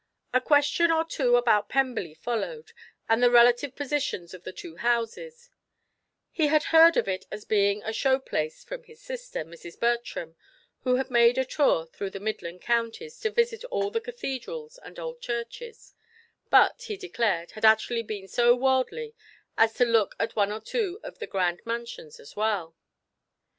A question or two about Pemberley followed, and the relative positions of the two houses; he had heard of it as being a show place from his sister, Mrs. Bertram, who had made a tour through the midland counties to visit all the cathedrals and old churches, but, he declared, had actually been so worldly as to look at one or two of the grand mansions as well.